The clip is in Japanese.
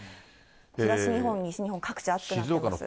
東日本、西日本、各地暑くなっています。